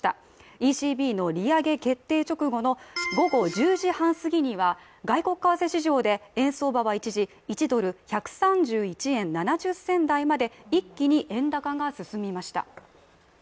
ＥＣＢの利上げ決定直後の午後１０時半すぎには外国為替市場は一時１ドル＝１３１円７０銭台まで一気に円高が進みました。